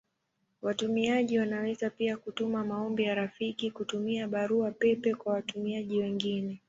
Watumiaji wanaweza pia kutuma maombi ya rafiki kutumia Barua pepe kwa watumiaji wengine.